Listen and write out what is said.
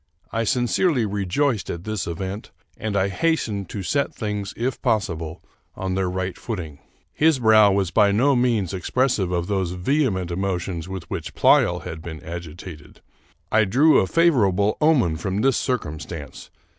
I sincerely rejoiced at this event, and I hastened to set things, if possible, on their right footing. His brow was by no means expressive of those vehement emotions with which Pleyel had been agitated. I drew a favorable omen from this circumstance.